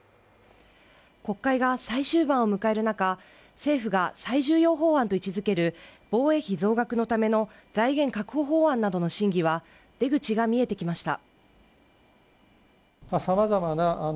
国会が最終盤を迎える中、政府が最重要法案と位置付ける防衛費増額のための財源確保法案などの審議は、出口が見えてきました。